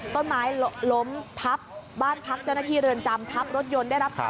ต้นไม้ล้มทับบ้านพักเจ้าหน้าที่เรือนจำทับรถยนต์ได้รับความ